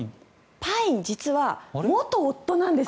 パイン、実は元夫なんです。